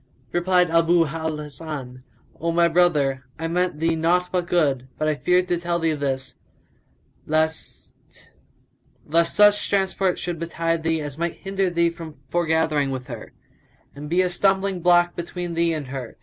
Replied Abu al Hasan, "O my brother, I meant thee naught but good; but I feared to tell thee this, lest such transport should betide thee as might hinder thee from foregathering with her, and be a stumbling block between thee and her.